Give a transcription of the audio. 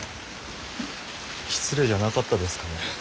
失礼じゃなかったですかね？